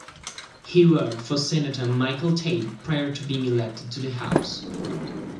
He worked for Senator Michael Tate prior to being elected to the House.